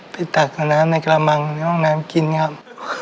ตักน้ำในกระมังในห้องน้ำกินครับ